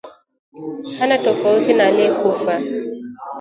hana tofauti na aliyekufa